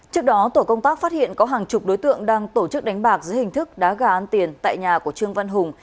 trước đó tổ công tác phát hiện có hàng chục đối tượng đang tổ chức đánh bạc dưới hình thức đá gà ăn tiền tại nhà của trương văn hùng